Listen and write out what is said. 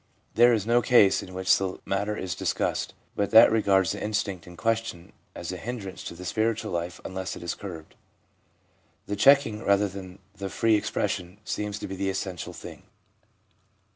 There is no case in which the matter is discussed, but that regards the instinct in question as a hindrance to the spiritual life unless it is curbed. The checking, rather than the free expression, seems to be the essential thing.